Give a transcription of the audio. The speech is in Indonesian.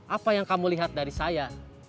apa yang kamu lihat dari saya